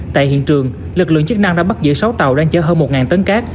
tại hiện trường lực lượng chức năng đã bắt giữ sáu tàu đang chở hơn một tấn cát